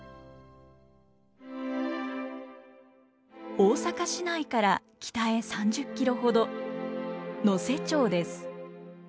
大阪市内から北へ３０キロほど能勢町です。